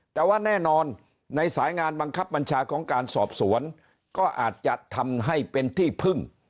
แต่ว่าแน่นอนในสายงานบังคับบัญชาของการสอบสวนก็อาจจะทำให้เป็นที่พึ่ง